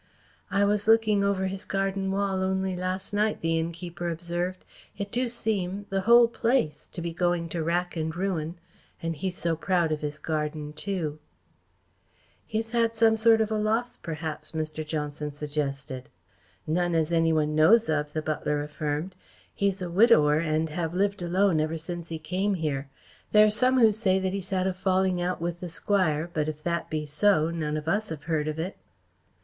"I was looking over his garden wall only last night," the innkeeper observed. "It do seem the whole place to be going to rack and ruin. And he so proud of his garden, too." "He has had some sort of a loss, perhaps," Mr. Johnson suggested. "None as any one knows of," the butler affirmed. "He's a widower and have lived alone ever since he came here. There are some who say that he's had a falling out with the Squire, but if that be so, none of us have heard of it."